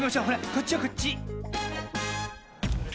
こっちよこっち。